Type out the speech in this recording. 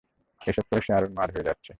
এসব করে সে আরো উম্মাদ হয়ে যাচ্ছে।